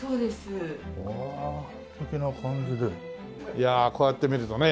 いやこうやって見るとね